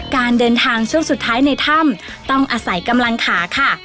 การเดินทางช่วงสุดท้ายในถ้ำต้องอาศัยกำลังขาค่ะ